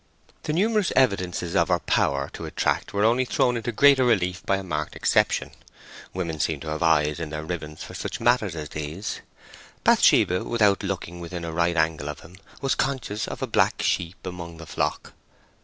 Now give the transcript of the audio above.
The numerous evidences of her power to attract were only thrown into greater relief by a marked exception. Women seem to have eyes in their ribbons for such matters as these. Bathsheba, without looking within a right angle of him, was conscious of a black sheep among the flock.